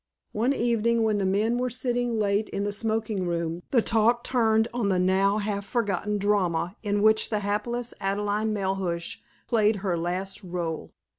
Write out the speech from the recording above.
One evening, when the men were sitting late in the smoking room, the talk turned on the now half forgotten drama in which the hapless Adelaide Melhuish played her last rôle.